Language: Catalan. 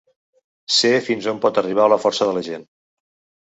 Sé fins on pot arribar la força de la gent.